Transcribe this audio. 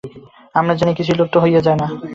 আমরা জানি, কিছুই লুপ্ত হইয়া যায় না।